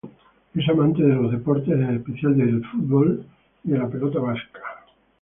Es amante de los deportes, en especial del fútbol y de la pelota vasca.